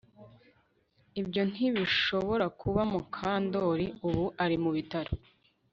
Ibyo ntibishobora kuba Mukandoli Ubu ari mu bitaro